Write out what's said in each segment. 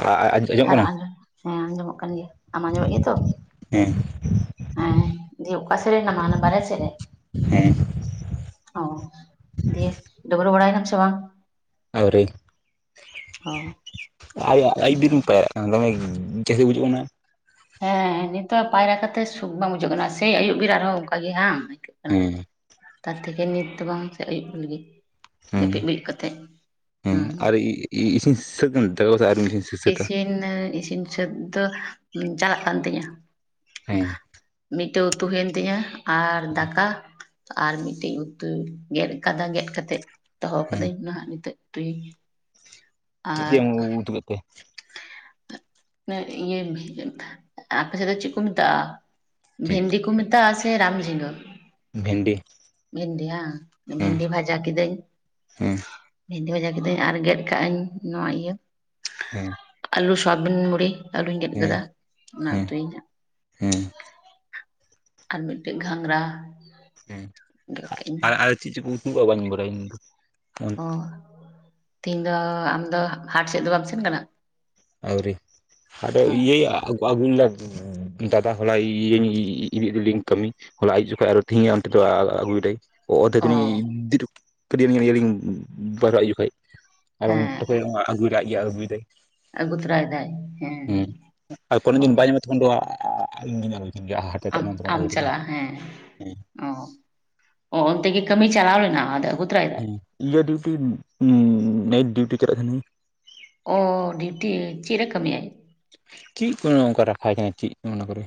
ᱟ- ᱟ- ᱟᱸᱡᱚᱢᱚᱜ [unintelligible] ᱟᱨ ᱠᱟᱱᱟ ᱟᱸᱡᱚᱢ ᱦᱮᱸ ᱟᱸᱡᱚᱢᱚᱜ ᱠᱟᱱ ᱜᱮᱭᱟ, ᱟᱢ ᱟᱸᱡᱚᱢᱮᱫ ᱜᱮᱭᱟ ᱛᱚ? ᱦᱮᱸ ᱦᱮᱸ [inaudible] ᱚᱠᱟ ᱥᱮᱫ ᱨᱮ ᱢᱮᱱᱟᱢᱟ ᱦᱟᱱᱟ ᱵᱟᱦᱨᱮ ᱥᱮᱫ ᱨᱮ? ᱦᱮᱸ ᱚ [unintelligible] ᱰᱟ. ᱵᱨᱟ. ᱵᱟᱲᱟᱭᱮᱱᱟᱢ ᱥᱮ ᱵᱟᱝ? ᱟᱣᱨᱤ ᱚ [unintelligible] [inaudible] [unintelligible] ᱦᱮᱸ ᱱᱤᱛᱚᱜ ᱯᱟᱭᱨᱟ ᱠᱟᱛᱮ ᱥᱩᱠ ᱵᱟᱝ ᱵᱩᱡᱷᱟᱹᱜ ᱠᱟᱱᱟ, ᱥᱮ ᱟᱹᱭᱩᱵ ᱵᱮᱲᱟ ᱨᱮᱦᱚᱸ ᱚᱱᱠ ᱜᱮ ᱵᱟᱝ ᱟᱹᱭᱠᱟᱹᱜ ᱠᱟᱱᱟ ᱦᱮᱸ [unintelligible] ᱱᱤᱛ ᱫᱚ ᱵᱟᱝ ᱥᱮ ᱟᱹᱭᱩᱵ [unintelligible] ᱦᱮᱸ ᱡᱟᱹᱯᱤᱫ ᱵᱤᱨᱤᱫ ᱠᱟᱛᱮᱫ ᱦᱮᱸ ᱦᱩᱸ ᱟᱨ ᱤ- ᱤ- ᱤᱥᱤᱱ ᱥᱟᱹᱛ ᱮᱱᱟ ᱫᱟᱠᱟ ᱠᱚ ᱟᱨ ᱤᱥᱤᱱ ᱥᱟᱹᱛᱟ ᱤᱥᱤᱱ ᱤᱥᱤᱱ [unintelligible] ᱫᱚ ᱪᱟᱞᱟᱜ ᱠᱟᱱ ᱛᱤᱧᱟᱹ, ᱦᱮᱸ ᱢᱤᱫᱴᱮᱱ ᱩᱛᱩ ᱦᱩᱭᱮᱱ ᱛᱤᱧᱟ᱾ ᱟᱨ ᱫᱟᱠᱟ ᱟᱨ ᱢᱤᱫᱴᱮᱡ ᱩᱛᱩᱩᱭ ᱜᱮᱫ ᱟᱠᱟᱫᱟ, ᱜᱮᱫ ᱠᱟᱛᱮᱮᱫ ᱫᱚᱦᱚ ᱦᱮᱸ ᱠᱟᱹᱫᱟᱹᱧ ᱢᱟ ᱦᱟᱸᱜ ᱱᱤᱛᱚᱜ ᱛᱩᱭᱤᱧ ᱢᱮ᱾ ᱪᱮᱜ ᱪᱮ ᱮᱢ ᱩ-ᱩᱛᱩ ᱠᱮᱫ ᱛᱮ? ᱤᱭᱟᱹ [unintelligible] ᱛᱷᱟ, ᱟᱯᱮᱥᱮᱫ ᱫᱚ ᱪᱤᱜ ᱠᱩ ᱢᱮᱛᱟᱜᱼᱟ? ᱪᱮᱫ ᱵᱷᱮᱱᱰᱤ ᱠᱩ ᱢᱮ ᱛᱟᱜᱼᱟ ᱥᱮ ᱨᱟᱢ ᱡᱷᱤᱜᱟᱹ᱾ ᱵᱷᱮᱱᱰᱤ᱾ ᱵᱷᱤᱱᱰᱤ ᱦᱟ ᱦᱮᱸ ᱵᱷᱤᱱᱰᱤ ᱵᱷᱡᱟ ᱠᱤᱫᱟᱹᱧ᱾ ᱦᱮᱸ ᱵᱷᱮᱱᱫᱤ ᱵᱷᱟᱡᱟ ᱠᱤᱫᱟᱹᱧ, ᱟᱨ ᱜᱮᱫ ᱠᱟᱜ ᱟᱹᱧ ᱱᱚᱣᱟ ᱤᱭᱟᱹ ᱦᱮᱸ᱾ ᱟᱹᱞᱩ, ᱥᱚᱣᱟᱵᱤᱱ ᱵᱩᱲᱤ, ᱟᱹᱞᱩᱧ ᱜᱮᱫ ᱦᱮᱸ ᱠᱟᱫᱟ ᱚᱱᱟ ᱦᱮᱸ ᱩᱛᱤ ᱤᱧ ᱦᱟᱸᱜ᱾ ᱦᱮᱸ ᱟᱨ ᱢᱤᱫᱴᱮᱡ ᱜᱷᱟᱝᱨᱟ᱾ ᱦᱮᱸ ᱟ-ᱟᱨ-ᱟᱨ ᱪᱤᱜ ᱪᱩᱠᱩ ᱩᱛᱩᱣ ᱠᱟᱜ ᱵᱟᱹᱧ ᱵᱟᱲᱟᱭᱟ ᱤᱧ ᱫᱚ᱾ ᱚᱸ, ᱛᱤᱦᱤᱧ ᱫᱚ ᱟᱢ ᱫᱚ ᱦᱟᱴ ᱥᱮᱫ ᱫᱚ ᱵᱟᱢ ᱥᱮᱱ ᱠᱟᱱᱟ? ᱟᱹᱣᱨᱤ᱾ ᱟᱫᱚ ᱚ ᱤᱭᱟᱹᱭ ᱟ-ᱟ-ᱟᱜ-ᱟᱜᱩ ᱞᱮᱫᱟ ᱫᱟ-ᱫᱟ ᱦᱚᱞᱟᱭ ᱤ-ᱤ-ᱤ-ᱤᱫᱤ-ᱤᱫᱤ ᱞᱤᱫᱤᱞᱤᱧ ᱠᱟᱹᱢᱤ᱾ ᱦᱚᱞᱟ ᱟᱭᱩᱵ ᱡᱚᱠᱷᱚᱡ ᱟᱨᱚ ᱛᱤᱦᱤᱧᱟ ᱚᱱᱛᱮ ᱫᱚ ᱟ-ᱟ-ᱟᱜᱩ ᱚ ᱠᱮᱫᱟᱭ᱾ [unintelligible] ᱮᱵᱚᱝ ᱦᱮᱸ ᱛᱮᱠᱚᱡ ᱟ-ᱟᱜᱩᱭ ᱫᱟᱭ ᱟᱡ ᱜᱮ ᱟᱜᱩᱭ ᱫᱟᱭ᱾ ᱟᱹᱜᱩ ᱛᱚᱨᱟᱭ ᱫᱟᱭ ᱦᱮᱸ ᱚ᱾ ᱛᱟᱠᱷᱚᱱ ᱫᱚ ᱟ-ᱟ-ᱟ-ᱤᱧ ᱜᱮᱧ ᱛᱮᱦᱮᱱᱟ ᱦᱟ ᱟᱢ ᱟᱢ ᱪᱟᱞᱟᱜᱼᱟ ᱦᱮᱸ᱾ ᱚᱸ, ᱚ-ᱚᱱᱛᱮ ᱜᱮ ᱠᱟᱹᱢᱤ ᱪᱟᱞᱟᱣ ᱞᱮᱱᱟ ᱟᱫᱚ ᱟᱹᱜᱩ ᱛᱚᱨᱟᱭ ᱫᱟᱭ ᱦᱮᱸ ᱤᱭᱟᱹ ᱰᱤᱭᱩᱴᱤ ᱱᱟ-ᱱᱟᱭᱤᱴ ᱰᱤᱭᱩᱴᱤ ᱠᱚᱨᱮ ᱛᱟᱦᱮᱱᱟᱭ᱾ ᱚᱻ ᱰᱤᱭᱩᱴᱤ ᱪᱮᱜ ᱨᱮ ᱠᱟᱹᱢᱤᱭᱟᱭ? ᱪᱤᱜ ᱠᱚ ᱚᱱᱠᱟ ᱨᱟᱠᱷᱟ ᱠᱟᱱᱟ ᱪᱤᱜ ᱠᱩ ᱚᱱᱟ ᱠᱚᱨᱮ᱾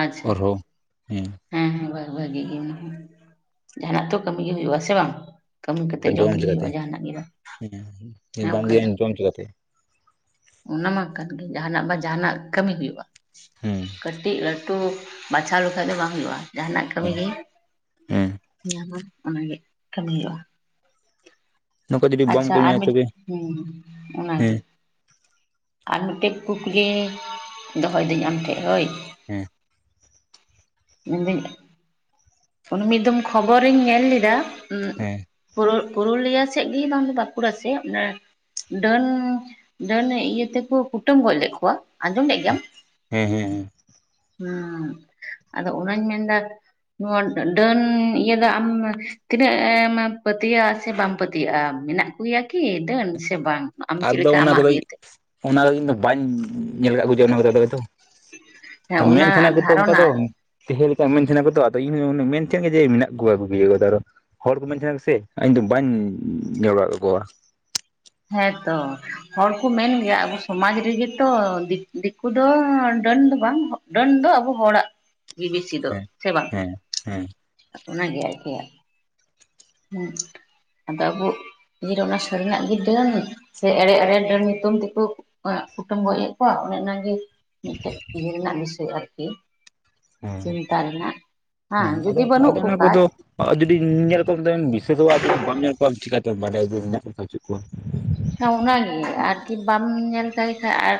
ᱟᱸᱪᱪᱷᱟ᱾ ᱚᱨᱦᱚᱸ ᱦᱮᱸ ᱦᱮᱸ ᱵᱷᱟ-ᱵᱷᱟᱹᱜᱤ ᱜᱮ ᱡᱟᱦᱟᱱᱟᱜ ᱛᱚ ᱠᱟᱹᱢᱤ ᱜᱮ ᱦᱩᱭᱩᱜᱼᱟ ᱥᱮ ᱵᱟᱝ? ᱠᱟᱹᱢᱤ ᱠᱟᱛᱮᱜ ᱡᱚᱢ ᱜᱮ ᱦᱩᱭᱩᱜᱼᱟ ᱡᱟᱦᱟᱱᱟᱜ ᱜᱮᱫᱚ ᱦᱮᱸ ᱵᱟᱢ ᱵᱟᱠᱷᱟᱡ ᱤᱫᱤᱭᱟ ᱫᱚ᱾ ᱡᱚᱢ ᱪᱤᱠᱟᱹᱛᱮ ᱚᱱᱟ ᱢᱟ ᱠᱟᱱ ᱜᱮ ᱡᱟᱦᱱᱟᱜ ᱵᱟ ᱡᱟᱦᱟᱱᱟᱜ ᱠᱟᱹᱢᱤ ᱦᱩᱭᱩᱜᱼᱟ᱾ ᱦᱩᱸ᱾ ᱠᱟᱹᱴᱤᱡ ᱞᱟᱹᱴᱩ ᱵᱟᱪᱷᱟᱣ ᱞᱮᱠᱷᱟᱡ ᱫᱚ ᱵᱟᱝ ᱦᱩᱭᱩᱜᱼᱟ᱾ ᱡᱟᱦᱟᱱᱟᱜ ᱠᱟᱹᱢᱤ ᱦᱮᱸ ᱜᱮ ᱦᱮᱸ ᱧᱟᱢᱟ ᱚᱱᱟᱜᱮ ᱠᱟᱹᱢᱤ ᱦᱩᱭᱩᱜᱼᱟ᱾ ᱱᱚᱝᱠᱟ ᱡᱩᱫᱤ ᱵᱟᱢ ᱟᱪᱪᱷᱟ ᱟᱨ ᱠᱟᱹᱢᱤᱭᱟ ᱢᱤ ᱛᱚᱵᱮ ᱦᱩᱸ ᱚᱱᱟ ᱦᱮᱸ ᱜᱮ᱾ ᱟᱨ ᱢᱮᱫᱴᱮᱡ ᱠᱩᱠᱞᱤ ᱫᱚᱦᱚᱭ ᱫᱟᱹᱧ ᱟᱢᱴᱷᱮᱜ ᱦᱳᱭ᱾ ᱦᱮᱸ ᱾ ᱢᱮᱱᱫᱟᱹᱧ ᱢᱤᱫ ᱫᱚᱢ ᱠᱷᱚᱵᱚᱨᱤᱧ ᱧᱮᱞ ᱞᱮᱫᱟ ᱩᱸᱜ ᱦᱮᱸ ᱯᱳ-ᱯᱩᱨᱩᱞᱤᱭᱟ ᱥᱮᱜ ᱜᱤ ᱵᱟᱝ ᱵᱟᱸᱠᱩᱲᱟ ᱥᱮᱜ ᱚᱱᱟ ᱰᱟᱹᱱ ᱰᱟᱹᱱ ᱤᱭᱟᱹ ᱛᱮᱠᱚ ᱠᱩᱴᱟᱹᱢ ᱜᱚᱡ ᱞᱮᱜ ᱠᱚᱣᱟ ᱟᱸᱡᱚᱢ ᱞᱮᱜ ᱜᱮᱭᱟᱢ᱾ ᱦᱮᱸ ᱦᱮᱸ ᱦᱮᱸ ᱦᱮᱸ᱾ ᱦᱩᱸ ᱟᱫᱚ ᱚᱱᱟᱧ ᱢᱮᱱᱫᱟ ᱱᱚᱣᱟ ᱰᱟᱹ-ᱰᱟᱹᱱ ᱤᱭᱟᱹ ᱫᱚ ᱟᱢ ᱛᱤᱱᱟᱹᱜ ᱮᱢ ᱯᱟᱹᱛᱭᱟᱹᱜᱼᱟ ᱥᱮ ᱵᱟᱢ ᱯᱟᱹᱛᱭᱟᱹᱜᱼᱟ? ᱢᱮᱱᱟᱜ ᱮᱭᱟ ᱠᱤ ᱰᱟᱹᱱ ᱥᱮ ᱵᱟᱝ? ᱟᱢ ᱪᱮᱫ ᱟᱫᱚ ᱞᱮᱠᱟ ᱚᱱᱟ ᱫᱚ ᱟᱢᱟᱜ ᱠᱟᱹᱡ ᱤᱭᱟᱹᱛᱮ ᱚᱱᱟ ᱫᱚ ᱤᱧ ᱵᱟᱹᱧ ᱧᱮ-ᱧᱮᱞ ᱠᱟᱜ ᱠᱚ ᱡᱮ ᱚᱱᱟ ᱠᱚᱨᱮ ᱫᱚ ᱦᱚᱭᱛᱚ᱾ ᱦᱮᱸ ᱚᱱᱟ ᱢᱮᱱ ᱛᱟᱦᱮᱱᱟ ᱠᱚᱛᱚ ᱚᱱᱠᱟ ᱫᱷᱟᱨᱚᱱᱟ ᱫᱚ᱾ ᱟᱨ ᱛᱟᱦᱮᱸ ᱜᱮᱛᱚ ᱢᱮᱱ ᱛᱟᱦᱮᱱᱟ ᱠᱚ ᱛᱚ ᱟᱫᱚ ᱤᱧᱦᱚ ᱚᱱᱟ ᱢᱮᱱ ᱛᱟᱦᱮᱸ ᱡᱮ ᱢᱮᱱᱟᱜ ᱠᱚᱣᱟ ᱟᱵᱚ ᱠᱚ ᱤᱭᱟᱹ ᱨᱮᱫᱚ ᱟᱨᱚ᱾ ᱦᱚᱲ ᱠᱚ ᱢᱮᱱ ᱛᱟᱦᱮᱱᱟ ᱠᱚ ᱥᱮ ᱤᱧᱫᱚ ᱵᱟᱹᱧ ᱧᱮᱞ ᱵᱟᱲᱟ ᱠᱟ ᱠᱚᱣᱟ᱾ ᱦᱮᱸᱛᱚ ᱦᱚᱲ ᱠᱩ ᱢᱮᱱ ᱜᱮᱭᱟ ᱟᱵᱚ ᱥᱚᱢᱟᱡᱽ ᱨᱮᱜᱮ ᱛᱚ ᱫᱤᱠᱩ ᱫᱤᱠᱩ ᱫᱚ ᱰᱟᱹᱱ ᱫᱚ ᱵᱟᱝ᱾ ᱰᱟᱹᱱ ᱫᱚ ᱟᱵᱚ ᱦᱚᱲᱟᱜ ᱜᱤ ᱵᱮᱥᱤ ᱫᱚ ᱦᱮᱸ ᱥᱮ ᱵᱟᱝ? ᱦᱮᱸ ᱦᱮᱸ ᱚᱱᱟ ᱜᱮ ᱟᱨᱠᱤ᱾ ᱦᱩᱸ ᱟᱫᱚ ᱟᱵᱚ ᱤᱭᱟᱹ ᱨᱮ ᱚᱱᱟ ᱥᱟᱹᱨᱤᱱᱟᱜ ᱜᱮ ᱰᱟᱹᱱ ᱥᱮ ᱮᱲᱮ ᱮᱲᱮ ᱰᱟᱹᱱ ᱧᱩᱛᱩᱢ ᱛᱮᱠᱚ ᱠᱩ ᱮᱸ ᱠᱩᱴᱟᱹᱢ ᱜᱚᱡᱮᱫ ᱠᱚᱣᱟ ᱚᱱᱮ ᱚᱱᱟ ᱜᱮ᱾ ᱢᱤᱜᱴᱮᱡ ᱤᱭᱟᱹ ᱨᱮᱱᱟᱜ ᱵᱤᱥᱚᱭ ᱟᱨᱠᱤ᱾ ᱦᱮᱸ ᱪᱤᱱᱛᱟ ᱨᱮᱱᱟᱜ, ᱦᱟᱝ ᱡᱩᱫᱤ ᱵᱟᱹᱱᱩᱜ ᱠᱚ ᱠᱷᱟᱡ᱾ ᱟᱨ ᱡᱩᱫᱤ ᱧᱮᱞ ᱠᱚᱵᱮᱱ ᱵᱤᱥᱮᱥ [unintelligible] ᱡᱩᱫᱤ ᱧᱮᱞ ᱠᱚᱣᱟᱢ ᱛᱚᱵᱮᱢ ᱵᱤᱥᱥᱟᱹᱥᱚᱜᱼᱟ ᱟᱨ ᱡᱩᱫᱤ ᱵᱟᱢ ᱧᱮᱞ ᱠᱚᱣᱟ ᱪᱤᱠᱟᱛᱮᱢ ᱵᱟᱰᱟᱭᱟ ᱡᱮ ᱢᱮᱱᱟᱜ ᱠᱚᱣᱟ ᱥᱮ ᱵᱟᱪᱩᱜ ᱠᱚᱣᱟ᱾ ᱚᱱᱟᱜᱮ ᱟᱨᱠᱤ ᱵᱟᱢ ᱧᱮᱞ ᱠᱟᱭ ᱠᱷᱟᱡ ᱟᱨ,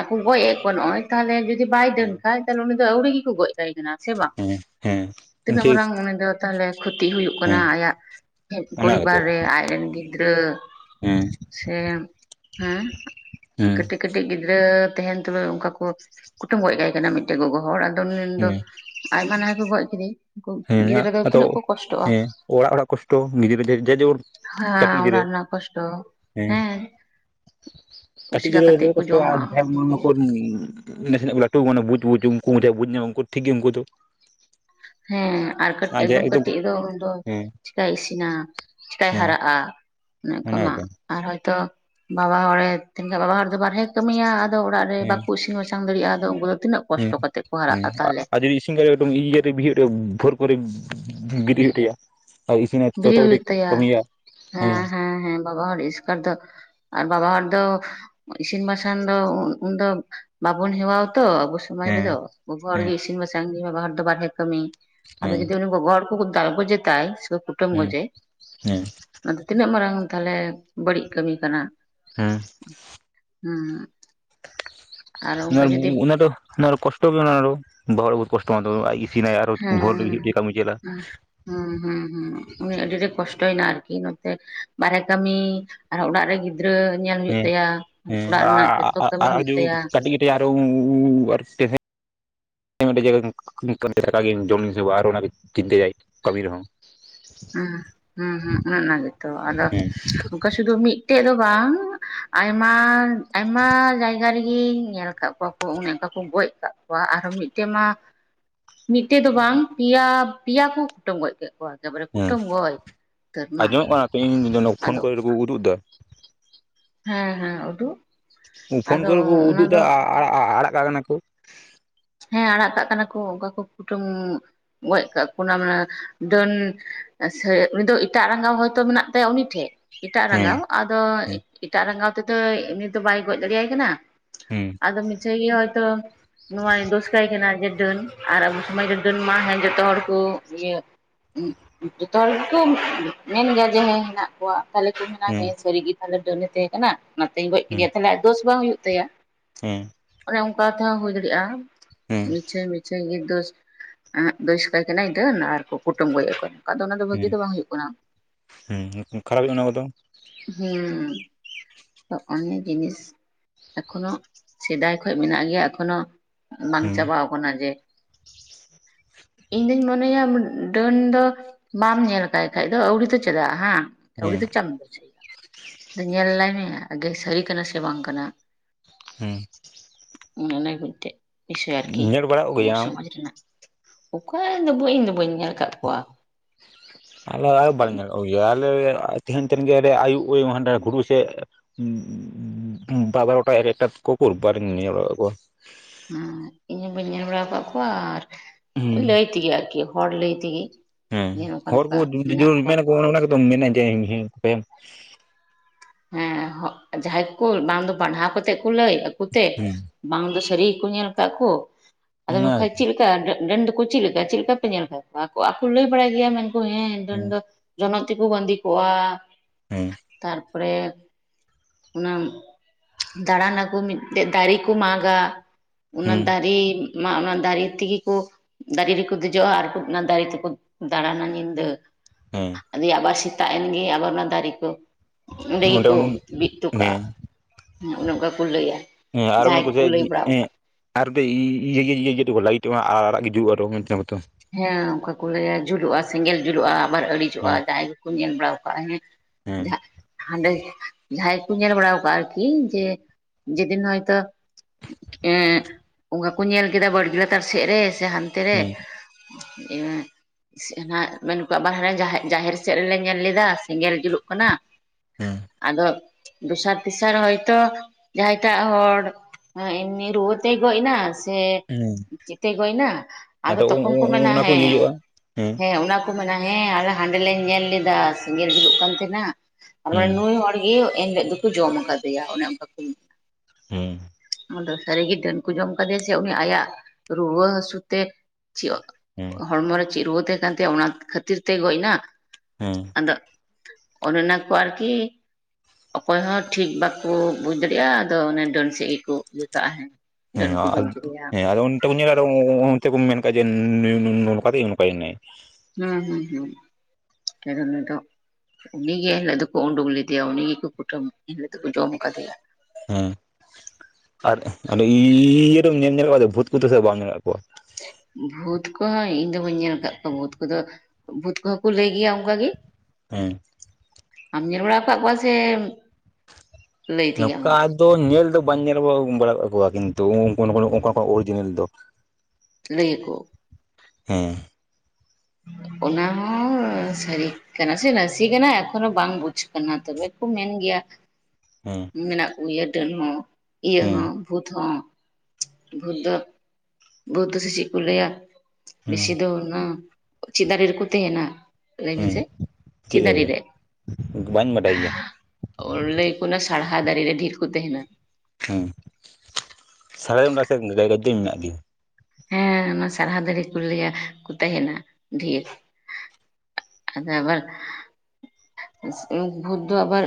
ᱟᱠᱚ ᱜᱚᱡ ᱮᱜ ᱠᱚᱣᱟ ᱱᱚᱜᱼᱚᱭ ᱛᱟᱦᱞᱮ ᱡᱩᱫᱤ ᱵᱟᱭ ᱰᱟᱹᱱ ᱦᱮᱸ ᱠᱷᱟᱡ ᱛᱟᱞᱦᱮ ᱩᱱᱤ ᱫᱚ ᱟᱹᱣᱲᱤ ᱜᱮᱠᱚ ᱜᱚᱡᱽ [unintelligible] ᱠᱟᱱᱟ ᱥᱮ ᱵᱟᱝ, ᱦᱮᱸ ᱦᱮᱸ ᱤᱧ ᱛᱤᱱᱟᱹᱜ ᱴᱷᱤᱠ ᱢᱟᱨᱟᱝ ᱩᱱᱤ ᱫᱚ ᱛᱟᱞᱦᱮ ᱠᱷᱚᱛᱤ ᱦᱩᱭᱩᱜ ᱠᱟᱱᱟ ᱦᱮᱸ ᱟᱭᱟᱜ᱾ ᱚᱱᱟ ᱯᱚᱨᱤᱵᱟᱨ ᱜᱮᱛᱚ ᱨᱮ ᱟᱡᱨᱮᱱ ᱜᱤᱫᱽᱨᱟᱹ, ᱦᱮᱸ ᱥᱮ, ᱦᱮᱸ ᱦᱮᱸ ᱠᱟᱹᱴᱤᱡ ᱠᱟᱹᱴᱤᱡ ᱜᱤᱫᱽᱨᱟᱹ ᱛᱟᱦᱮᱱ ᱛᱚᱵᱮ ᱚᱱᱠᱟ ᱠᱚ ᱠᱩᱴᱟᱹᱢ ᱜᱚᱡ ᱠᱟᱭ ᱠᱟᱱᱟ ᱢᱤᱫᱴᱮᱡ ᱜᱚᱜᱚ ᱦᱚᱲ, ᱤᱱ ᱢᱮᱱ ᱫᱚ ᱦᱮᱸ ᱟᱡᱢᱟ ᱱᱟ ᱦᱚᱭ ᱠᱚ ᱜᱚᱡᱽ ᱠᱤᱫᱤ ᱦᱮᱸ ᱟᱫᱚ ᱦᱮᱸ ᱚᱲᱟᱜ ᱚᱲᱟᱜ ᱠᱚᱥᱴᱚ ᱜᱤᱫᱽᱨᱟᱹ ᱡᱟᱨ ᱡᱮ ᱡᱮᱵᱚᱨ [unintelligible] ᱦᱟᱸ ᱚᱲᱟ ᱨᱮᱱᱟᱜ ᱠᱚᱥᱴᱚ᱾ ᱦᱮᱸ ᱠᱟᱹᱴᱤᱡ ᱩᱥᱤᱠᱟ ᱜᱤᱫᱽᱨᱟᱹ ᱠᱟᱛᱮᱜ ᱡᱮᱢᱚᱱ ᱠᱚ ᱠᱚᱥᱴᱚ ᱡᱚᱢᱟ ᱟᱨ ᱡᱟᱦᱟᱸᱭ ᱩᱱᱠᱩ, ᱱᱟᱥᱮᱱᱟᱜ ᱞᱟᱹᱴᱷᱩᱣ ᱠᱟᱱᱟ ᱵᱩᱡ, ᱵᱩᱡ ᱩᱱᱠᱩ ᱡᱟᱦᱟᱭ ᱵᱩᱡ ᱧᱟᱢᱟ ᱩᱱᱠᱩ ᱴᱷᱤᱠ ᱜᱮ ᱩᱱᱠᱩ ᱫᱚ, ᱦᱮᱸ ᱟᱨ ᱠᱟᱹᱴ ᱮᱠᱫᱚᱢ ᱠᱟᱹᱴᱤᱡ ᱫᱚ ᱩᱱ ᱫᱚ, ᱦᱮᱸ ᱪᱤᱠᱟᱭ ᱤᱥᱤᱱᱟ ᱪᱤᱠᱟᱭ ᱦᱮᱸ ᱦᱟᱨᱟᱜᱼᱟ? ᱚᱱᱮ ᱚᱱᱠᱟ ᱚᱱᱟ ᱢᱟ ᱜᱮᱛᱚ ᱟᱨ ᱦᱚᱭᱛᱳ ᱵᱟᱵᱟ ᱦᱚᱲᱮ ᱛᱮᱦᱮᱱ ᱠᱷᱟᱱ ᱵᱟᱵᱟ ᱦᱚᱲ ᱫᱚ ᱵᱟᱨᱦᱮ ᱠᱟᱹᱢᱤᱭᱟ ᱟᱨ ᱟᱫᱚ ᱚᱲᱟᱜ ᱨᱮ ᱵᱟᱠᱚ ᱤᱥᱤᱱ ᱵᱟᱥᱟᱝ ᱫᱟᱲᱮᱭᱟᱜᱼᱟ, ᱟᱫᱚ ᱩᱱᱠᱩᱫᱚ ᱛᱤᱱᱟᱹᱜ ᱦᱩᱸ ᱠᱚᱥᱴᱚ ᱠᱟᱛᱮᱜ ᱠᱚ ᱦᱩᱸ ᱦᱟᱨᱟᱜᱼᱟ ᱛᱟᱦᱚᱞᱮ ᱟ-ᱟᱨ ᱡᱩᱫᱤ [unintelligible] ᱤᱭᱟᱹ ᱵᱷᱳᱨ ᱠᱚᱨᱮ ᱵᱤᱨᱤᱜ ᱦᱩᱭᱩᱜ ᱴᱟᱭᱟ᱾ ᱟᱨ ᱤᱥᱤᱱᱟ ᱛᱚ, ᱵᱤᱨᱤ ᱛᱚᱵᱮ ᱛᱚᱭ ᱦᱩᱭᱩᱜ ᱛᱟᱭᱟ ᱠᱟᱹᱢᱤᱭᱟ᱾ ᱦᱮᱸ ᱵᱟᱵᱟ ᱦᱚᱲ ᱤᱥᱠᱟᱨ ᱫᱚ ᱟᱨ ᱵᱟᱵᱟ ᱦᱚᱲ ᱫᱚ ᱤᱥᱤᱱ ᱵᱟᱥᱟᱝ ᱫᱚ ᱩᱱ ᱫᱚ ᱵᱟᱵᱚᱱ ᱦᱮᱣᱟ ᱣᱟᱛᱚ ᱟᱵᱚᱥ [unintelligible] ᱦᱮᱸ ᱨᱮᱫᱚ ᱜᱚᱜᱚ ᱦᱚᱲ ᱦᱮᱸ ᱜᱮ ᱤᱥᱤᱱ ᱵᱟᱥᱟᱝ ᱜᱮ ᱵᱟᱵᱟ ᱦᱚᱲ ᱫᱚ ᱵᱟᱨᱦᱮ ᱠᱟᱹᱢᱤ ᱟᱫᱚ ᱦᱮᱸ ᱡᱩᱫᱤ ᱩᱱᱤ ᱜᱚᱜᱚ ᱦᱚᱲ ᱠᱚ ᱫᱟᱞ ᱜᱚᱡᱮ ᱛᱟᱭ ᱥᱮ ᱠᱚ ᱠᱩᱴᱟᱹᱢ ᱜᱚᱡᱮ ᱦᱮᱸ ᱟᱫᱚ ᱛᱤᱱᱟᱹᱜ ᱢᱟᱨᱟᱝ ᱛᱟᱦᱞᱮ ᱵᱟᱹᱲᱤᱡ ᱠᱟᱹᱢᱤ ᱠᱟᱱᱟ ᱾ ᱦᱩᱸ᱾ ᱦᱩᱸ᱾ [unintelligible] ᱚᱱᱟ ᱫᱚ ᱚᱱᱟ ᱠᱚᱥᱴᱚ [unintelligible] ᱵᱟᱵᱟ ᱦᱚᱲ ᱜᱮ ᱠᱚᱥᱴᱚ ᱚᱱᱟ ᱫᱟ ᱟᱡ ᱜᱮ ᱤᱥᱤᱱᱟᱭ ᱟᱨᱚ ᱦᱮᱸ ᱵᱷᱳᱨ ᱨᱤᱜᱤ ᱦᱩᱭᱩᱜ ᱛᱟᱭᱟ ᱠᱟᱹᱢᱤ ᱪᱥᱞᱟᱜ ᱦᱮᱸ ᱦᱩᱸ ᱦᱩᱸ ᱦᱩᱸ ᱱᱩᱭ ᱟᱹᱰᱤ, ᱟᱹᱰᱤ ᱠᱚᱥᱴᱚᱭ ᱱᱟ ᱟᱨᱠᱤ ᱱᱚᱛᱮ ᱵᱟᱨᱦᱮ ᱠᱟᱢᱤ ᱟᱨᱚᱸ ᱚᱲᱟᱜ ᱨᱮ ᱜᱤᱫᱽᱨᱟᱹ ᱧᱮᱞ ᱦᱮᱸ ᱦᱩᱭᱩᱜ ᱛᱟᱭᱟ᱾ ᱦᱮᱸ ᱚᱲᱟᱜ ᱨᱮᱱᱟᱜ ᱡᱚᱛᱚ ᱟᱨ ᱠᱟᱹᱢᱤ ᱟᱨ ᱦᱩᱭᱩᱜ ᱡᱩ ᱛᱟᱭᱟ᱾ [unintelligible] [inaudible] ᱡᱚᱢ ᱤᱧ ᱥᱮ ᱵᱟ, ᱟᱨ ᱚᱱᱟᱜᱮ ᱪᱤᱱᱛᱟᱹᱭᱟᱭ ᱠᱟᱹᱢᱤ ᱨᱮᱦᱚ᱾ ᱩᱸ ᱦᱩᱸ ᱦᱩᱸ ᱚᱱᱮ ᱚᱱᱟ ᱜᱮᱛᱚ ᱟᱫᱚ ᱦᱮᱸ ᱚᱝᱠᱟ ᱥᱩᱫᱩ ᱢᱤᱜᱴᱮᱜ ᱫᱚ ᱵᱟᱝ ᱟᱭᱢᱟ ᱟᱭᱢᱟ ᱡᱟᱭᱜᱟ ᱨᱮᱜᱤ ᱧᱮᱞ ᱠᱟᱜ ᱠᱚᱣᱟ ᱠᱚ ᱚᱱᱮ ᱚᱝᱠᱟ ᱠᱚ ᱜᱚᱡᱽ ᱠᱟᱜ ᱠᱚᱣᱟ᱾ ᱠᱚᱣᱟ ᱟᱨᱚ ᱢᱤᱜᱴᱮᱱ ᱢᱟ ᱢᱤᱜᱴᱮᱡ ᱫᱚ ᱵᱟᱝ ᱯᱤᱭᱟ ᱯᱤᱭᱟ ᱠᱚ ᱠᱩᱴᱟᱹᱢ ᱜᱚᱡᱽ ᱠᱮᱜ ᱠᱚᱣᱟ ᱮᱠᱮᱵᱟᱨᱮ᱾ ᱦᱩᱸ ᱠᱩᱴᱟᱹᱢ ᱜᱚᱡ ᱩᱛᱟᱹᱨ ᱢᱟ ᱟᱸᱡᱚᱢᱚᱜ ᱠᱟᱱᱟ ᱛᱚ ᱤᱧ ᱡᱮᱢᱚᱱ ᱯᱷᱳᱱ ᱟᱫᱚ ᱠᱚᱨᱮ ᱨᱮᱠᱚ ᱩᱫᱩᱜ ᱫᱟ᱾ ᱦᱮᱸ ᱦᱮᱸ ᱩᱫᱩᱜ, ᱯᱷᱳᱱ ᱟᱫᱚ ᱠᱚᱨᱮ ᱠᱚ ᱚᱱᱟ ᱩᱫᱩᱜ ᱫᱟ ᱫᱚ ᱟ-ᱟ-ᱟ-ᱟᱲ ᱟᱲᱟᱜ ᱠᱟᱜ ᱠᱟᱱᱟ ᱠᱚ᱾ ᱦᱮᱸ ᱟᱲᱟᱜ ᱠᱟᱜ ᱠᱟᱱᱟ ᱠᱚ ᱚᱝᱠᱟ ᱠᱚ ᱠᱩᱴᱟᱹᱢ ᱜᱚᱡᱽ ᱠᱟᱜ ᱠᱚᱱᱟ ᱚᱱᱟ ᱢᱟᱱᱮ ᱰᱟᱹᱱ ᱥᱮ ᱩᱱᱤ ᱫᱚ ᱮᱴᱟᱜ ᱨᱟᱸᱜᱟᱣ ᱦᱚᱭᱛᱚ ᱢᱮᱱᱟᱜ ᱛᱟᱭᱟ ᱩᱱᱤ ᱴᱷᱮᱜ᱾ ᱮᱴᱟᱜ ᱦᱮᱸ ᱨᱟᱸᱜᱟᱸᱣ ᱟᱫᱚ ᱦᱮᱸ ᱮᱴᱟᱜ ᱨᱟᱸᱜᱟᱸᱣ ᱛᱮᱫᱚ ᱮᱢᱱᱤ ᱛᱮ ᱫᱚ ᱵᱟᱭ ᱜᱚᱡᱽ ᱫᱟᱲᱮᱭᱟᱭ ᱠᱟᱱᱟ᱾ ᱦᱮᱸ ᱟᱫᱚ ᱢᱤᱪᱷᱟᱹ ᱜᱮ ᱦᱚᱭᱛᱚ ᱱᱚᱣᱟᱭ, [unintelligible] ᱡᱮ ᱰᱟᱹᱱ, ᱟᱨ ᱟᱵᱚ ᱥᱚᱢᱟᱡᱽ ᱨᱮ ᱰᱟᱹᱱ ᱢᱟ ᱦᱮᱸ ᱡᱚᱛᱚ ᱦᱚᱲ ᱠᱩ ᱤᱭᱟᱹ ᱡᱚᱛᱚ ᱦᱚᱲ ᱜᱮᱠᱚ ᱢᱮᱱ ᱜᱮᱭᱟ ᱡᱮ ᱦᱮᱸ ᱦᱮᱱᱟᱜ ᱠᱚᱣᱟ᱾ ᱛᱟᱦᱚᱞᱮ ᱠᱚ ᱢᱮᱱᱟ ᱦᱮᱸ ᱥᱟᱹᱨᱤᱜᱤ ᱰᱟᱹᱱᱮ ᱛᱟᱦᱮᱸ ᱠᱟᱱᱟ, ᱚᱱᱟᱛᱮᱧ ᱜᱚᱡᱽ ᱦᱮᱸ ᱠᱮᱫᱮᱭᱟ ᱛᱟᱦᱞᱮ ᱫᱳᱥ ᱵᱟᱝ ᱦᱳᱭᱳᱜ ᱛᱟᱭᱟ᱾ ᱦᱮᱸ᱾ ᱚᱱᱮ ᱚᱝᱠᱟ ᱛᱮᱦᱚᱸ ᱦᱩᱭ ᱫᱟᱲᱮᱜᱼᱟ᱾ ᱦᱮᱸ ᱢᱤᱪᱷᱟᱹ ᱢᱤᱪᱷᱟᱹ ᱜᱮ ᱫᱳᱥ ᱮᱜ ᱫᱳᱥ ᱠᱟᱹᱭ ᱠᱟᱱᱟᱭ ᱰᱟᱹᱱ ᱟᱨᱠᱚ ᱠᱩᱴᱟᱹᱢ ᱜᱚᱡᱭᱮᱜ ᱠᱟᱱᱟ ᱾ ᱟᱫᱚ ᱚᱱᱟ ᱫᱚ ᱵᱷᱟᱹᱜᱤ ᱫᱚ ᱵᱟᱝ ᱦᱳᱭᱳᱜ ᱠᱟᱱᱟ ᱦᱮᱸ ᱦᱮᱸ ᱠᱷᱟᱨᱟᱯ ᱜᱮᱭᱟ ᱚᱱᱟ ᱠᱚᱫᱚ ᱦᱩᱸ᱾ ᱛᱚ ᱚᱱᱱᱟᱹ ᱡᱤᱱᱤᱥ ᱮᱠᱷᱚᱱᱚ ᱥᱮᱫᱟᱭ ᱠᱷᱚᱱ ᱢᱮᱱᱟᱜ ᱜᱮᱭᱟ ᱮᱠᱷᱚᱱᱚ ᱵᱟᱝ ᱦᱮᱸ ᱪᱟᱵᱟᱣ ᱠᱟᱱᱟ ᱡᱮ ᱤᱧ ᱫᱩᱧ ᱢᱚᱱᱮᱭᱟ ᱰᱟᱹᱱ ᱫᱚ ᱵᱟᱢ ᱧᱮᱞ ᱠᱟᱭ ᱠᱷᱟᱡ ᱫᱚ ᱟᱹᱣᱨᱤ ᱛᱮ ᱪᱮᱫᱟᱜ ᱦᱟᱝ ᱾ ᱟᱹᱣᱨᱤ ᱦᱮᱸ ᱫᱚ ᱪᱟᱢ ᱫᱳᱥᱮᱭᱟ ᱫᱚ ᱧᱮᱞ ᱞᱟᱭ ᱢᱮ ᱟᱜᱮ ᱥᱟᱹᱨᱤ ᱠᱟᱱᱟ ᱥᱮ ᱵᱟᱝ ᱠᱟᱱᱟ ᱾ ᱦᱩᱸ ᱚᱱ ᱚᱱᱮ ᱢᱤᱜᱴᱮᱡ ᱮᱥᱮ ᱟᱨᱠᱤ ᱧᱮᱞ ᱵᱟᱲᱟ ᱟᱵᱚ ᱠᱚᱜᱮᱭᱟᱢ ᱥᱚᱢᱟᱡᱽ ᱨᱮᱱᱟᱜ ᱚᱠᱟᱭ ᱫᱚ ᱵᱟᱹᱧ ᱤᱧ ᱫᱚ ᱵᱟᱹᱧ ᱧᱮᱞ ᱠᱟᱜ ᱠᱚᱣᱟ᱾ ᱟᱞᱮ ᱟᱨ ᱵᱟᱞᱮ ᱧᱮᱞ ᱠᱚᱜ ᱜᱮᱭᱟ ᱟᱞᱮ ᱛᱮᱦᱮᱧ ᱛᱮᱱᱜᱮ ᱟᱭᱩᱵ ᱳᱭ ᱦᱟᱸ [unintelligible] ᱥᱮᱜ ᱩᱸ ᱵᱟ-ᱵᱟᱨᱚᱴᱟ ᱮᱠ-ᱮᱠᱴᱟ ᱠᱚ ᱠᱩᱨ ᱵᱟᱞᱤᱧ ᱧᱮᱞ ᱵᱟ ᱠᱟᱜ ᱠᱚᱣᱟ ᱾ ᱦᱮᱸ ᱤᱧ ᱦᱚᱸ ᱵᱟᱹᱧ ᱧᱮᱞ ᱵᱟᱲᱟ ᱠᱟᱜ ᱠᱚᱣᱟ ᱟᱨ ᱦᱩᱸ ᱞᱟᱹᱭ ᱛᱮᱜᱮ ᱟᱨᱠᱤ ᱦᱚᱲ ᱞᱟᱹᱭ ᱛᱮᱜᱮ ᱦᱮᱸ ᱡᱮ ᱱᱚᱝᱠᱟ ᱦᱚᱲ ᱠᱩ ᱱᱚᱝᱠᱟ ᱢᱮᱱᱟᱜ ᱡᱳ-ᱡᱳᱨ ᱠᱚᱣᱟ ᱢᱮᱱᱟ ᱚ-ᱚᱱᱟ ᱜᱮᱛᱚ ᱢᱮᱱᱮ ᱡᱮ [unintelligible] ᱦᱮᱸ ᱡᱟᱦᱟᱸᱭ ᱠᱚ ᱵᱟᱝ ᱫᱚ ᱵᱟᱱᱦᱟᱣ ᱠᱟᱛᱮᱜ ᱠᱚ ᱞᱟᱹᱭ ᱟᱠᱚ ᱛᱮ᱾ ᱵᱟᱝ ᱫᱚ ᱥᱟᱹᱨᱤ ᱜᱮᱠᱩ ᱧᱮᱞ ᱠᱟᱜ ᱠᱚ ᱟᱫᱚ ᱚᱱᱟ ᱢᱮᱱᱠᱷᱟᱡ ᱜᱮᱛᱚ ᱪᱮᱜ [unintelligible] ᱰᱟᱸ-ᱰᱟᱹᱱ ᱫᱚᱠᱚ ᱪᱮᱜ ᱞᱮᱠᱟ ᱪᱮᱜ ᱞᱮᱠᱟ ᱯᱮ ᱧᱮᱞ ᱠᱟᱜ ᱠᱚᱣᱟ ᱟᱠᱚ ᱟᱠᱚ ᱞᱟᱹᱭ ᱵᱟᱲᱟᱭ ᱜᱮᱭᱟ ᱢᱮᱱᱠᱩ ᱦᱮᱸ ᱰᱟᱹᱱ ᱫᱚ ᱡᱚᱱᱚᱜ ᱛᱮᱠᱚ ᱵᱟᱸᱫᱮ ᱠᱚᱜᱼᱟ ᱦᱮᱸ ᱛᱟᱨᱯᱚᱨᱮ ᱚᱱᱟ ᱫᱟᱲᱟᱱᱟᱠᱚ ᱢᱤᱫᱴᱮᱡ ᱫᱟᱨᱮ ᱠᱚ ᱢᱟᱜᱟ, ᱚᱱᱟ ᱦᱮᱸ ᱫᱟᱨᱮ ᱢᱟ ᱚᱱᱟ ᱫᱟᱨᱮ ᱛᱤᱜᱤ ᱠᱚ ᱫᱟᱨᱮ ᱨᱮᱠᱚ ᱫᱮᱡᱚᱜᱼᱟ ᱟᱨ ᱚᱱᱟ ᱫᱟᱨᱮ ᱛᱮᱠᱚ ᱫᱟᱲᱟᱱᱟ ᱱᱤᱫᱟᱹ᱾ ᱦᱮᱸ ᱟᱫᱭᱮ ᱟᱵᱟᱨ ᱥᱮᱛᱟᱜ ᱮᱱᱜᱮ ᱟᱵᱟᱨ ᱚᱱᱟ ᱫᱟᱨᱮ ᱠᱚ ᱚᱸᱰᱮ ᱜᱮᱠᱚ ᱵᱤᱫ ᱦᱚᱴᱚ ᱦᱮᱸ ᱠᱟᱜᱼᱟ᱾ ᱦᱮᱸ ᱚᱱᱠᱟ ᱠᱚ ᱞᱟᱹᱭᱟ᱾ ᱦᱮᱸ ᱟᱨ ᱢᱮᱱᱟ ᱡᱟᱦᱟᱸᱭ ᱠᱚ ᱡᱮ ᱜᱮᱠᱚ ᱞᱟᱹᱭ ᱵᱟᱲ ᱦᱮᱸ ᱟᱠᱟᱫ ᱟᱨ ᱤᱻᱤ ᱤᱭᱟᱹᱠᱚ ᱞᱟᱹᱭᱤᱴᱚᱜᱼᱟ ᱟᱻᱟ ᱟᱨᱟᱜ ᱜᱮ ᱡᱩᱞᱩᱜᱼᱟ᱾ ᱦᱮᱸ ᱚᱱᱠᱟ ᱠᱚ ᱞᱟᱹᱭ ᱟ ᱡᱩᱞᱩᱜᱼᱟ, ᱥᱮᱸᱜᱮᱞ ᱡᱩᱞᱩᱜᱼᱟ ᱟᱵᱟᱨ ᱦᱮᱸ ᱟᱲᱤᱡᱚᱜᱼᱟ ᱡᱟᱦᱟᱸᱭ ᱜᱮᱠᱚ ᱧᱮᱞ ᱵᱟᱲᱟ ᱠᱟᱜᱼᱟ ᱦᱮᱸ᱾ ᱦᱮᱸ ᱡᱟᱦᱟᱸ ᱦᱟᱸᱰᱮ ᱡᱟᱦᱟᱸᱭ ᱜᱮᱠᱚ ᱧᱮᱞ ᱵᱟᱲᱟ ᱠᱟᱜᱼᱟ ᱟᱨᱠᱤ ᱡᱮ ᱡᱮᱫᱤᱱ ᱦᱚᱭᱛᱚ ᱮᱸᱜ ᱚᱱᱠᱟ ᱠᱚ ᱧᱮᱞ ᱠᱮᱫᱟ ᱵᱟᱲᱜᱤ ᱞᱟᱛᱟᱨ ᱥᱮᱜ ᱨᱮ ᱥᱮ ᱦᱟᱱᱛᱮ ᱨᱮ, ᱦᱮᱸ ᱩᱸᱜ ᱦᱱᱟᱜ ᱢᱮᱱᱠᱚ ᱟᱵᱟᱨ ᱡᱟ ᱡᱟᱦᱮᱨ ᱥᱮᱫ ᱨᱮᱞᱮ ᱧᱮᱞ ᱞᱮᱫᱟ ᱥᱮᱸᱜᱮᱞ ᱡᱩᱞᱩᱜ ᱠᱟᱱᱟ᱾ ᱦᱮᱸ ᱟᱫᱚ ᱫᱚᱥᱟᱨ ᱛᱮᱥᱟᱨ ᱦᱚᱳᱭᱛᱳ ᱡᱟᱦᱟᱸᱭ ᱴᱟᱜ ᱦᱚᱲ ᱦᱳᱭ ᱮᱢᱱᱤ ᱨᱩᱣᱟᱹ ᱛᱮᱭ ᱜᱚᱡᱱᱟ ᱥᱮ ᱦᱮᱸ ᱪᱮᱫ ᱛᱮᱭ ᱜᱚᱡᱱᱟ᱾ ᱟᱫᱚ ᱛᱚᱠᱷᱚᱱ ᱠᱚ ᱢᱮᱱ ᱟ ᱚᱱᱟ ᱦᱮᱸ ᱤᱭᱟᱹ ᱦᱩᱭᱩᱜᱼᱟ ᱦᱮᱸ ᱚᱱᱟ ᱛᱚᱠᱷᱚᱱ ᱠᱩ ᱢᱮᱱᱟ ᱦᱮᱸ ᱟᱞᱮ ᱦᱟᱸᱰᱮ ᱞᱮ ᱧᱮᱞ ᱞᱮᱫᱟ ᱥᱮᱸᱜᱮᱞ ᱡᱩᱞᱩᱜ ᱠᱟᱱ ᱛᱟᱦᱮᱸᱱᱟ᱾ ᱦᱮᱸ ᱱᱩᱭ ᱦᱚᱲᱜᱤ ᱮᱱᱦᱤᱞᱳᱜ ᱫᱚᱠᱚ ᱡᱚᱢ ᱠᱟᱫᱮᱭᱟ ᱚᱱᱮ ᱚᱱᱠᱟ ᱠᱚ ᱢᱮᱱᱟ᱾ ᱦᱩᱸ ᱟᱫᱚ ᱥᱟᱹᱨᱤ ᱜᱮ ᱰᱟᱹᱱ ᱠᱚ ᱡᱚᱢ ᱠᱟᱫᱮᱭᱟ ᱥᱮ ᱩᱱᱤ ᱟᱭᱟᱜ ᱨᱩᱣᱟᱹ ᱦᱟᱹᱥᱩ ᱛᱮ ᱪᱮᱫ ᱦᱮᱸ ᱦᱚᱲᱢᱚ ᱨᱮ ᱪᱮᱫ ᱨᱩᱣᱟᱹ ᱛᱟᱦᱮᱸ ᱠᱟᱱ ᱛᱟᱭᱟ ᱚᱱᱟ ᱠᱷᱟᱹᱛᱤᱨ ᱛᱮ ᱜᱚᱡ ᱱᱟ, ᱦᱮᱸ ᱟᱫᱚ ᱢᱮᱱᱟᱠᱚ ᱟᱨᱠᱤ, ᱚᱠᱚᱭ ᱦᱚᱸ ᱴᱷᱤᱠ ᱵᱟᱠᱚ ᱵᱩᱡ ᱫᱟᱲᱮᱭᱟᱜᱼᱟ, ᱟᱫᱚ ᱚᱱᱮ ᱰᱟᱹᱱ ᱥᱮᱫ ᱜᱮᱠᱚ ᱤᱭᱟᱹ ᱠᱟᱜᱼᱟ ᱦᱮᱸ᱾ ᱦᱮᱸ ᱰᱟᱹᱱ ᱠᱚ ᱡᱚᱢ ᱠᱮᱫᱮᱭᱟ ᱦᱮᱸ ᱟᱫᱚ ᱧᱮᱞᱟ ᱚᱱᱛᱮ ᱠᱚ ᱢᱮᱱ ᱠᱟᱜ ᱡᱮ ᱱᱚᱝᱠᱟ ᱛᱮ ᱱᱚᱝᱠᱟᱭᱱᱟᱭ ᱦᱩᱸ ᱦᱩᱸ ᱦᱩᱸ ᱟᱫᱚ ᱩᱱᱤᱜᱮ ᱫᱚ ᱠᱚ ᱳᱰᱳᱝ ᱞᱤᱫᱤᱭᱟ ᱩᱱᱤ ᱜᱮᱠᱚ ᱠᱩᱴᱟᱹᱢ ᱮᱱᱦᱤᱞᱳᱜ ᱫᱚᱠᱚ ᱡᱚᱢ ᱠᱟᱫᱮᱭᱟ᱾ ᱦᱮᱸ ᱟᱨ ᱤᱻ ᱨᱮᱢ ᱧᱮᱞ ᱧᱮᱞ ᱠᱚᱣᱟ ᱵᱷᱩᱛ ᱠᱚᱛᱮ ᱥᱮ ᱵᱟᱢ ᱧᱮᱞᱮᱫ ᱠᱚᱣᱟ? ᱵᱷᱩᱛ ᱠᱚᱦᱚᱸ ᱤᱧ ᱫᱚ ᱵᱟᱹᱧ ᱧᱮᱞ ᱟᱠᱟᱫ ᱠᱚᱣᱟ, ᱵᱷᱩᱛ ᱠᱚᱫᱚ ᱵᱷᱩᱛ ᱠᱚᱦᱚᱸ ᱠᱚ ᱞᱟᱹᱭ ᱜᱮᱭᱟ ᱚᱱᱠᱟ ᱜᱮ᱾ ᱦᱩᱸ ᱟᱢ ᱧᱮᱞ ᱠᱟᱜ ᱠᱚᱣᱟ ᱥᱮᱢ ᱱᱚᱝᱠᱟ ᱫᱚ ᱧᱮᱞ ᱫᱚ ᱵᱟᱹᱧ ᱧᱮᱞ ᱵᱟᱲᱟ ᱠᱟᱜ ᱠᱚᱣᱟ ᱠᱤᱱᱛᱩ ᱩᱱᱠᱩ ᱚᱱᱠᱟ ᱚᱨᱤᱡᱤᱱᱮᱞ ᱫᱚ ᱞᱟᱹᱭ ᱟᱠᱚ ᱦᱮᱸ ᱚᱱᱟ ᱦᱚᱸ ᱥᱟᱹᱨᱤ ᱠᱟᱱᱟ ᱥᱮ ᱱᱟᱥᱤ ᱠᱟᱱᱟ ᱮᱠᱷᱚᱱ ᱦᱚᱸ ᱵᱟᱝ ᱵᱩᱡᱽ ᱠᱟᱱᱟ ᱛᱚᱵᱮ ᱠᱚ ᱢᱮᱱ ᱜᱮᱭᱟ ᱦᱩᱸ ᱢᱮᱱᱟᱜ ᱠᱚ ᱜᱮᱭᱟᱹ ᱰᱟᱹᱱ ᱦᱚᱸ ᱤᱭᱟᱹ ᱦᱚᱸ ᱵᱷᱩᱛ ᱦᱚᱸ ᱵᱷᱩᱛ ᱫᱚ ᱵᱷᱩᱛ ᱫᱚ ᱥᱮᱪᱮᱫ ᱠᱚ ᱞᱟᱹᱭ ᱟ ᱦᱮᱸ ᱵᱮᱥᱤ ᱫᱚ ᱚᱱᱟ ᱪᱮᱫ ᱫᱟᱨᱮ ᱨᱮᱠᱚ ᱛᱟᱦᱮᱸᱱ ᱟ ᱞᱟᱹᱭ ᱦᱮᱸ ᱢᱮᱥᱮ ᱪᱮᱫ ᱫᱟᱨᱤ ᱨᱮ ᱵᱟᱹᱧ ᱵᱟᱰᱟᱭ ᱜᱮᱭᱟ ᱞᱟᱹᱭᱟᱠᱚ ᱚᱱᱟ ᱥᱟᱨᱦᱟ ᱫᱟᱨᱤ ᱨᱮ ᱰᱷᱤᱨ ᱠᱚ ᱛᱟᱦᱮᱱ ᱟ ᱦᱩᱸ ᱥᱟᱨ ᱚᱱᱟ ᱥᱮᱫ ᱜᱟᱹᱭ ᱜᱟᱹᱰᱤ ᱫᱚ ᱢᱮᱱᱟᱜ ᱜᱮᱭᱟ ᱦᱮᱸ ᱚᱱᱟ ᱥᱟᱨᱦᱟ ᱫᱟᱨᱤ ᱨᱮᱠᱚ ᱞᱟᱹᱭᱟ ᱠᱚ ᱛᱟᱦᱮᱱᱟ ᱰᱷᱤᱨ ᱟᱫᱚ ᱟᱵᱟᱨ ᱵᱷᱩᱛ ᱫᱚ ᱟᱵᱟᱨ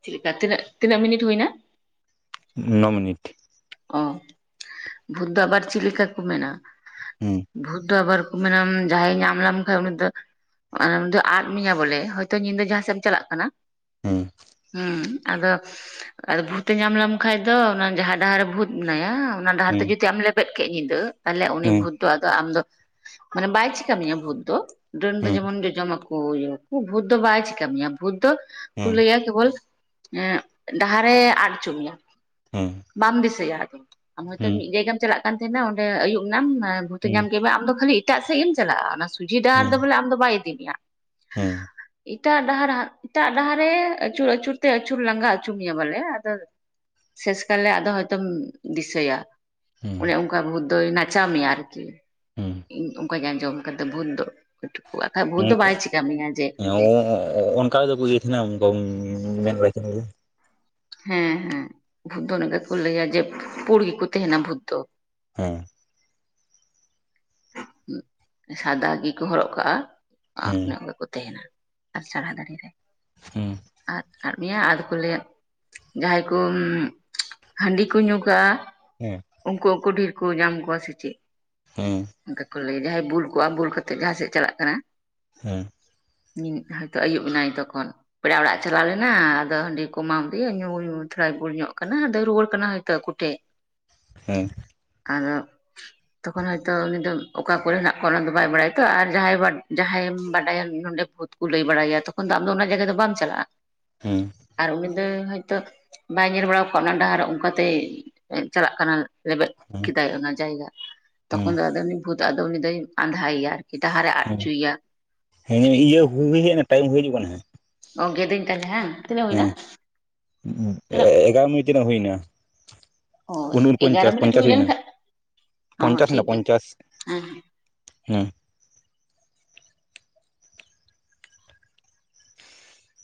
ᱪᱮᱫ ᱞᱮᱠᱟ ᱛᱤᱱᱟᱹᱜ ᱛᱤᱱᱟᱹᱜ ᱢᱤᱱᱤᱴ ᱦᱩᱭᱱᱟ ᱱᱚ ᱢᱤᱱᱤᱴ ᱚ ᱵᱷᱩᱛ ᱫᱚ ᱟᱵᱟᱨ ᱪᱤᱫ ᱞᱮᱠᱟ ᱠᱚ ᱢᱮᱱ ᱟ ᱦᱮᱸ ᱵᱷᱩᱛ ᱫᱚ ᱟᱵᱟᱨ ᱡᱟᱦᱟᱸᱭ ᱧᱟᱢ ᱞᱮᱢ ᱠᱷᱟᱡ ᱩᱱᱤ ᱫᱚ ᱫᱚ ᱟᱫ ᱢᱮᱭᱟ ᱵᱚᱞᱮ ᱦᱳᱭᱛᱚ ᱧᱤᱫᱟᱹ ᱡᱟᱦᱟᱸ ᱥᱮᱫ ᱮᱢ ᱪᱟᱞᱟᱜ ᱠᱟᱱᱟ ᱦᱮᱸ ᱦᱩᱸ ᱟᱫᱚ ᱵᱷᱩᱛ ᱮ ᱧᱟᱢ ᱞᱮᱟᱢ ᱠᱷᱟᱡ ᱫᱚ ᱡᱟᱦᱟᱸ ᱰᱟᱦᱟᱨ ᱨᱮ ᱵᱷᱩᱛ ᱢᱮᱱᱟᱭᱟ ᱚᱱᱟ ᱰᱟᱦᱟᱨ ᱛᱮ ᱦᱮᱸ ᱡᱩᱫᱤ ᱟᱢᱞᱮ ᱵᱮᱫ ᱠᱮᱫ ᱧᱤᱫᱟᱹ ᱛᱟᱦᱚᱞᱮ ᱩᱱᱤ ᱦᱮᱸ ᱵᱷᱩᱛ ᱟᱢ ᱫᱚ ᱢᱟᱱᱮ ᱵᱟᱭ ᱪᱤᱠᱟ ᱢᱮᱭᱟ ᱵᱷᱩᱛ ᱫᱚ ᱰᱟᱹᱱ ᱫᱚ ᱦᱮᱸ ᱡᱮᱢᱚᱱ ᱡᱚᱡᱚᱢᱟᱠᱚ ᱵᱷᱩᱛ ᱫᱚ ᱵᱟᱭ ᱪᱤᱠᱟ ᱢᱮᱭᱟ ᱵᱷᱩᱛ ᱫᱚ ᱠᱚ ᱦᱮᱸ ᱞᱟᱹᱭᱟ ᱠᱮᱵᱚᱞ ᱰᱟᱦᱟᱨᱮ ᱟᱫ ᱦᱚᱪᱚ ᱢᱮᱭᱟ ᱦᱮᱸ ᱦᱮᱸ ᱵᱟᱢ ᱫᱤᱥᱟᱹᱭᱟ ᱟᱫᱚ ᱟᱢ ᱦᱮᱸ ᱦᱚᱭᱛᱳ ᱢᱤᱫ ᱡᱟᱭᱜᱟᱢ ᱪᱟᱞᱟᱜ ᱠᱟᱱ ᱛᱟᱦᱮᱱᱟ ᱚᱸᱰᱮ ᱟᱹᱭᱩᱵ ᱮᱱᱟᱢ ᱵᱷᱩᱛᱤ ᱧᱟᱢ ᱠᱮᱫ ᱢᱮ ᱟᱢ ᱫᱚ ᱠᱷᱟᱹᱞᱤ ᱮᱴᱟᱜ ᱥᱮᱫ ᱮᱢ ᱪᱟᱞᱟᱜᱼᱟ ᱚᱱᱟ ᱥᱩᱡᱷᱤ ᱦᱮᱸ ᱰᱟᱦᱟᱨ ᱦᱮᱸ ᱫᱚ ᱵᱚᱞᱮ ᱟᱢ ᱫᱚ ᱵᱟᱭ ᱤᱫᱤ ᱢᱮᱭᱟ ᱦᱮᱸ ᱮᱴᱟᱜ ᱰᱟᱦᱟᱨ ᱮᱴᱟᱜ ᱰᱟᱦᱟᱨ ᱨᱮ ᱟᱹᱪᱩᱨ ᱟᱹᱪᱩᱨ ᱛᱮ ᱟᱹᱪᱩᱨ ᱞᱟᱸᱜᱟ ᱟᱪᱩᱨ ᱢᱮᱭᱟ ᱵᱚᱞᱮ ᱟᱫᱚ ᱥᱮᱥ ᱠᱟᱞᱮ ᱟᱫᱚ ᱦᱚᱭᱛᱚᱢ ᱫᱤᱥᱟᱹᱭᱟ ᱚᱱᱮ ᱚᱱᱠᱟ ᱵᱷᱩᱫ ᱫᱚᱭ ᱱᱟᱪᱟᱣ ᱢᱮᱭᱟ ᱟᱨᱠᱤ, ᱦᱮᱸ ᱚᱱᱠᱟᱧ ᱟᱸᱡᱚᱢ ᱠᱟᱫᱟ ᱵᱷᱩᱛ ᱫᱚ ᱵᱟᱠᱷᱟᱡ ᱵᱷᱩᱛ ᱫᱚ ᱵᱟᱭ ᱪᱮᱠᱟ ᱢᱮᱭᱟ ᱡᱮ [unintelligible] ᱚᱱᱠᱟᱫᱚ ᱠᱚ ᱤᱭᱟᱹᱮᱫ ᱛᱟᱦᱮᱱᱟ ᱚᱱᱠᱟ ᱢᱮᱱ ᱵᱟᱲᱟᱭ ᱛᱟᱦᱮᱱᱟ ᱦᱮᱸ ᱦᱮᱸ ᱵᱷᱩᱫ ᱚᱱᱠᱟ ᱠᱚ ᱞᱟᱹᱭᱟ ᱡᱮ ᱯᱚᱲ ᱜᱤ ᱠᱚ ᱛᱟᱦᱮᱱᱟ ᱵᱷᱩᱛ ᱫᱚ, ᱦᱮᱸ ᱥᱟᱫᱟ ᱜᱮᱠᱚ ᱦᱚᱨᱚᱜ ᱠᱟᱜᱼᱟ ᱦᱮᱸ ᱦᱮᱸ ᱚᱱᱮ ᱚᱱᱠᱟ ᱠᱚ ᱛᱟᱦᱮᱸᱱᱟ ᱟᱨ ᱥᱚᱨᱦᱟ ᱫᱟᱲᱮ ᱨᱮ ᱦᱩᱸ ᱟᱫ ᱟᱫ ᱢᱤᱭᱟ ᱟᱫᱚ ᱠᱚ ᱞᱟᱹᱭᱟ, ᱡᱟᱦᱟᱸᱟᱸᱭ ᱠᱚ ᱦᱟᱺᱰᱤ ᱠᱚ ᱧᱩ ᱠᱟᱜᱼᱟ ᱦᱮᱸ ᱩᱱᱠᱩ ᱩᱱᱠᱩ ᱰᱷᱮᱨᱠᱩ ᱧᱟᱢ ᱠᱚᱣᱟ ᱥᱮ ᱪᱮᱫ ᱦᱮᱸ ᱚᱱᱠᱟ ᱠᱚ ᱞᱟᱹᱭ ᱡᱟᱦᱟᱸᱭ ᱵᱩᱞ ᱠᱚᱜᱼᱟ ᱵᱩᱞ ᱠᱟᱛᱮᱜ ᱡᱟᱦᱟᱸ ᱥᱮᱫ ᱪᱟᱞᱟᱜ ᱠᱟᱱᱟ, ᱦᱮᱸ ᱤ ᱦᱚᱭᱛᱳ ᱟᱹᱭᱩᱵ ᱮᱱᱟᱭ ᱛᱚᱠᱷᱚᱱ ᱯᱮᱲᱟ ᱚᱲᱟᱜ ᱮ ᱪᱟᱞᱟᱣ ᱞᱮᱱᱟ ᱟᱫᱚ ᱦᱟᱺᱰᱤ ᱠᱚ ᱮᱢᱟᱣᱟᱫᱮᱭᱟ ᱧᱩᱭ ᱛᱷᱚᱲᱟᱭ ᱵᱩᱞ ᱧᱚᱜ ᱠᱟᱱᱟ ᱟᱫᱚᱭ ᱨᱩᱭᱟᱹᱲ ᱠᱟᱱᱟ ᱦᱚᱭᱛᱳ ᱟᱠᱩ ᱴᱷᱮᱡ, [unintelligible] ᱦᱮᱸ ᱟᱨ ᱛᱚᱠᱷᱚᱱ ᱦᱚᱭ ᱛᱚ ᱩᱱᱤ ᱫᱚ ᱚᱠᱟ ᱠᱚᱨᱮᱱᱟᱜ ᱠᱞᱚᱱ ᱫᱚ ᱵᱟᱭ ᱵᱟᱲᱟᱭᱟ ᱛᱚ ᱟᱨ ᱡᱟᱦᱟᱸᱭ ᱡᱟᱦᱟᱸᱭᱮᱢ ᱵᱟᱰᱟᱭᱟ ᱱᱚᱰᱮ ᱵᱷᱩᱛ ᱞᱟᱹᱭ ᱵᱟᱲᱟᱭᱟ ᱛᱚᱠᱷᱚᱱ ᱫᱚ ᱟᱢᱫᱚ ᱚᱱᱟ ᱡᱟᱭᱜᱟ ᱫᱚ ᱵᱟᱢ ᱪᱟᱞᱟᱜᱼᱟ ᱾ ᱦᱮᱸ ᱟᱨ ᱩᱱᱤ ᱫᱚ ᱦᱚᱳᱭᱛᱳ ᱵᱟᱭ ᱧᱮᱞ ᱵᱟᱲᱟ ᱠᱚᱟᱜ ᱚᱱᱟ ᱰᱟᱦᱟᱨ ᱚᱱᱠᱟᱛᱮ ᱪᱟᱞᱟᱜ ᱠᱟᱱᱟ ᱞᱮᱵᱮᱫ ᱦᱮᱸ ᱠᱮᱫᱟᱭ ᱚᱱᱟ ᱡᱟᱭᱜᱟ, ᱾ ᱦᱮᱸ ᱛᱚᱠᱷᱚᱱ ᱫᱚ ᱩᱱᱤ ᱵᱷᱩᱛ ᱟᱫᱚ ᱩᱱᱤ ᱫᱚᱭ ᱟᱸᱫᱷᱟᱭᱮᱭᱟ ᱟᱨᱠᱤ ᱰᱟᱦᱟᱨᱮ ᱟᱫᱪᱚᱭᱮᱭᱟ, ᱾ ᱦᱮᱸ ᱤᱭᱟᱹ ᱦᱩᱭ ᱴᱟᱭᱤᱢ ᱦᱩᱭᱤᱡᱩᱜ ᱠᱟᱱᱟ ᱜ ᱜᱮᱫᱟᱹᱧ ᱛᱟᱦᱮ ᱵᱟᱝᱮᱟᱝ [unintelligible] ᱦᱮᱸ ᱮᱜᱟ ᱢᱤᱛᱤᱱᱟᱹᱜ ᱦᱩᱭ ᱮᱱᱟ ᱚ ᱩᱱ ᱮᱜᱟᱨᱚ ᱯᱚᱧᱪᱟᱥ ᱢᱤᱱᱤᱴ ᱦᱩᱭ ᱯᱚᱧᱪᱟᱥ ᱦᱩᱭᱱᱟ ᱞᱮᱱᱠᱷᱟᱱ ᱦᱚᱸ ᱯᱚᱧᱪᱟᱥᱱᱟ ᱴᱷᱤᱠ ᱜᱮᱭᱟ ᱯᱚᱧᱪᱟᱥ ᱦᱮᱸ ᱦᱮᱸ ᱦᱮᱸ